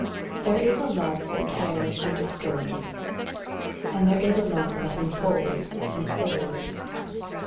There is a love that tears and destroys; and there is a love that enfolds and saves.